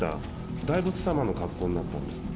大仏様の格好になったんです。